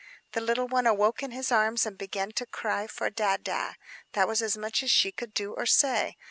The little one awoke in his arms and began to cry for "Dada." That was as much as she could do or say.